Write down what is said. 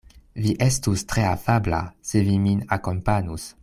Vi estus tre afabla, se vi min akompanus.